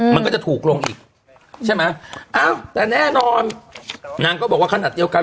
มันก็จะถูกลงอีกใช่ไหมอ้าวแต่แน่นอนนางก็บอกว่าขนาดเดียวกัน